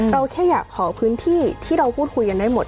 แค่อยากขอพื้นที่ที่เราพูดคุยกันได้หมด